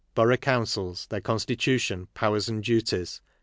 Borough Councils : Their Constitution, : Powers and Duties.